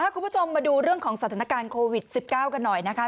คุณผู้ชมมาดูเรื่องของสถานการณ์โควิด๑๙กันหน่อยนะคะ